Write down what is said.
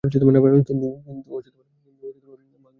কিন্তু তবু বলছি ভাগ্যে হয় নি।